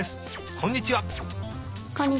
こんにちは。